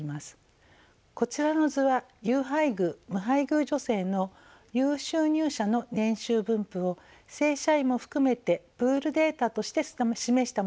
こちらの図は有配偶無配偶女性の有収入者の年収分布を正社員も含めてプールデータとして示したものになります。